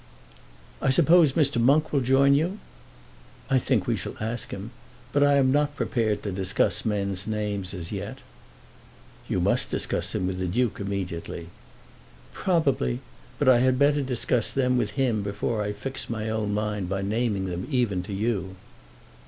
"I suppose Mr. Monk will join you." "I think we shall ask him. But I am not prepared to discuss men's names as yet." "You must discuss them with the Duke immediately." "Probably; but I had better discuss them with him before I fix my own mind by naming them even to you."